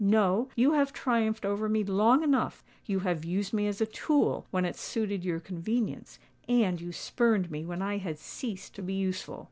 No—you have triumphed over me long enough: you have used me as a tool when it suited your convenience—and you spurned me when I had ceased to be useful.